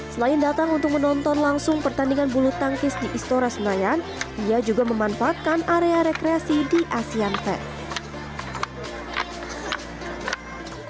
selain datang untuk menonton langsung pertandingan bulu tangkis di istora senayan ia juga memanfaatkan area rekreasi di asean fair